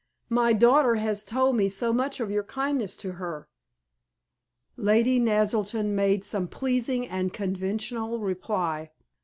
"My daughter has told me so much of your kindness to her." Lady Naselton made some pleasing and conventional reply.